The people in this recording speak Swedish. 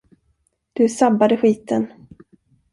Du sabbade skiten.